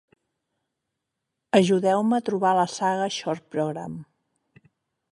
Ajudeu-me a trobar la saga Short Program.